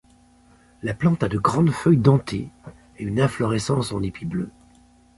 La plante a de grandes feuilles dentées et une inflorescence en épi bleu.